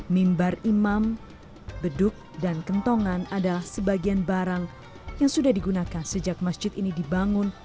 mimbar imam beduk dan kentongan adalah sebagian barang yang sudah digunakan sejak masjid ini dibangun